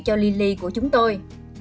cho lily của chúng tôi